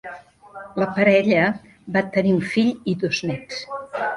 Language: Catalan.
La parella va tenir un fill i dos néts.